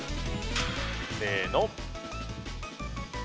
せの。